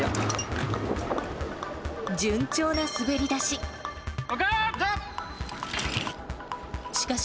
順調な滑り出し。